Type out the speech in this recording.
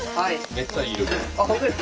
めっちゃいい色で。